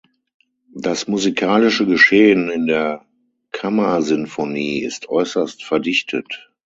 Das musikalische Geschehen in der Kammersinfonie ist äußerst verdichtet.